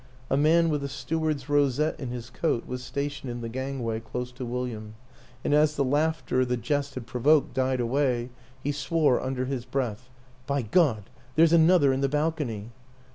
A man with a steward's rosette in his coat was stationed in the gangway close to William; and as the laugh WILLIAM AN ENGLISHMAN 33 ter the jest had provoked died away, he swore under his breath, " By God, there's another in the balcony!